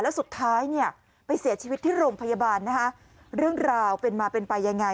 แล้วสุดท้ายเนี่ยไปเสียชีวิตที่โรงพยาบาลนะคะเรื่องราวเป็นมาเป็นไปยังไง